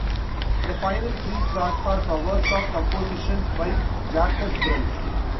The final three tracks are covers of compositions by Jacques Brel.